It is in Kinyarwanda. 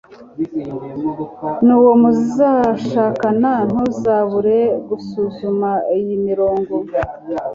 n uwo muzashakana Ntuzabure gusuzuma iyi mirongo